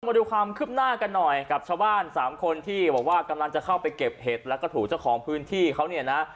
มาดูความคืบหน้ากันหน่อยกับชาวบ้านสามคนที่บอกว่ากำลังจะเข้าไปเก็บเห็ดแล้วก็ถูกเจ้าของพื้นที่เขาเนี่ยนะ